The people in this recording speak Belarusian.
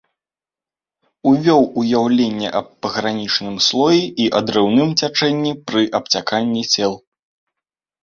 Увёў уяўленне аб пагранічным слоі і адрыўным цячэнні пры абцяканні цел.